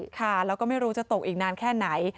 ค่ะแล้วก็ไม่รู้จะตกอีกนานแค่ไหน